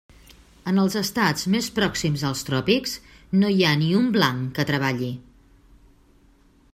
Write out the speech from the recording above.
En els estats més pròxims als tròpics, no hi ha ni un blanc que treballi.